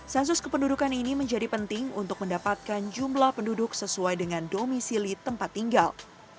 sensus kependudukan ini menjadi penting untuk mendapatkan jumlah penduduk sesuai dengan domisili tempat tinggal